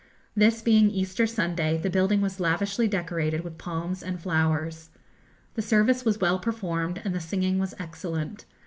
This being Easter Sunday, the building was lavishly decorated with palms and flowers. The service was well performed, and the singing was excellent.